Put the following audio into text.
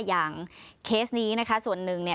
อย่างเคสนี้ส่วนหนึ่ง